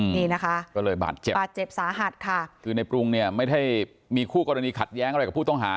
นี่นะคะก็เลยบาดเจ็บบาดเจ็บสาหัสค่ะคือในปรุงเนี่ยไม่ได้มีคู่กรณีขัดแย้งอะไรกับผู้ต้องหา